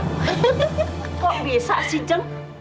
kok bisa sih ceng